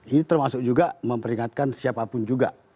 ini termasuk juga memperingatkan siapapun juga